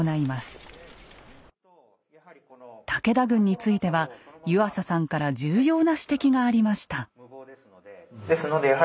武田軍については湯浅さんから重要な指摘がありました。